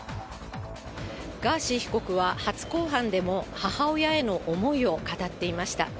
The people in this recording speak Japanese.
ガーシー被告は、初公判でも母親への思いを語っていました。